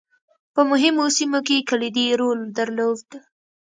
په مهمو سیمو کې یې کلیدي رول درلود.